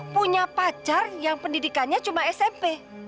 punya pacar yang pendidikannya cuma smp